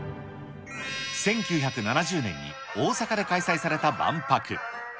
１９７０年に大阪で開催された万博。